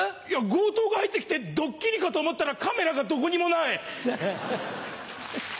強盗が入って来てドッキリかと思ったらカメラがどこにもない。